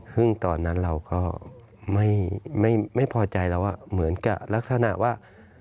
ซึ่งตอนนั้นเราก็ไม่พอใจแล้วว่าเหมือนกับลักษณะว่า